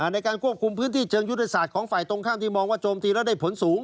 ในการควบคุมพื้นที่เชิงยุทธศาสตร์ของฝ่ายตรงข้ามที่มองว่าโจมตีแล้วได้ผลสูง